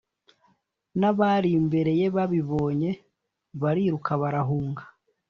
Nabari imbere ye babibonye bariruka barahunga